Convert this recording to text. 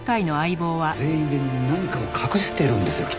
全員で何かを隠してるんですよきっと。